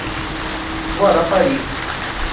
Guarapari